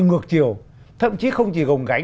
ngược chiều thậm chí không chỉ gồng gánh